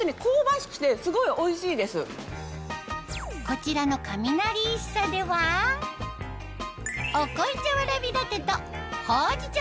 こちらの雷一茶ではお濃茶わらびラテとほうじ茶